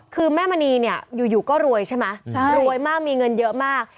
คือแม่มณีเนี่ยอยู่ก็รวยใช่ไหมรวยมากมีเงินเยอะมาก